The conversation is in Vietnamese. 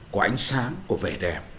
của ánh sáng của vẻ đẹp